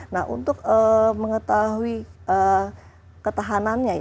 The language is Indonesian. nah untuk mengetahui ketahanannya